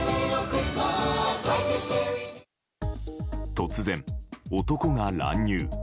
突然、男が乱入。